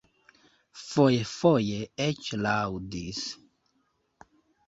Fojfoje eĉ laŭdis.